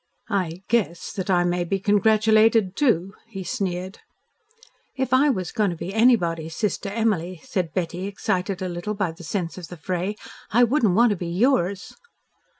"I 'guess' that I may be congratulated too," he sneered. "If I was going to be anybody's sister Emily," said Betty, excited a little by the sense of the fray, "I shouldn't want to be yours."